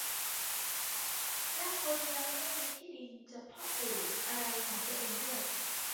และคนยังไม่มีที่ดินจะเพาะปลูกอะไรของตัวเองด้วย